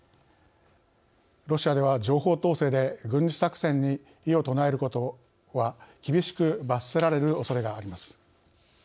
ロシアでは情報統制で軍事作戦に異を唱えることは厳しく罰せられるおそれがあります。